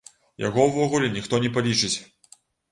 Яго ўвогуле ніхто не палічыць!